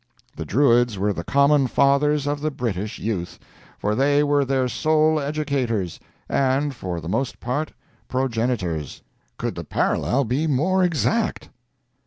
The Druids were the common fathers of the British youth, for they were their sole educators, and, for the most part, progenitors. Could the parallel be more exact?